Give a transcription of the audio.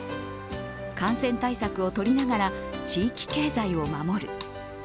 感染対策を取りながら地域経済を守る。